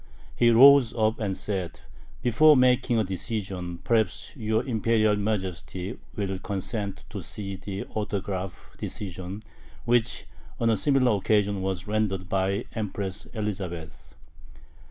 He rose up and said: "Before making a decision, perhaps your Imperial Majesty will consent to see the autograph decision which on a similar occasion was rendered by Empress Elizabeth."